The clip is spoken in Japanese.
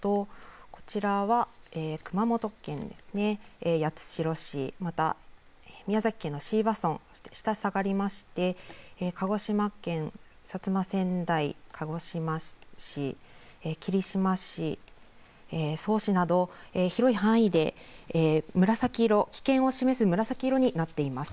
こちらは熊本県八代市、宮崎県椎葉村、下がりまして、鹿児島県薩摩川内、鹿児島市、霧島市、曽於市など広い範囲で、紫色、危険を示す紫色になっています。